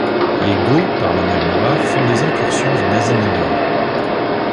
Les Goths, par la mer Noire, font des incursions en Asie Mineure.